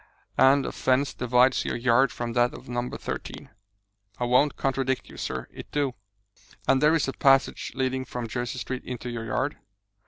"And a fence divides your yard from that of No. 13?" "I won't contradict you, sir it do." "And there is a passage leading from Jersey Street into your yard?"